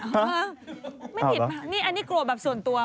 ไม่ผิดบ้างอันนี้กลัวแบบส่วนตัว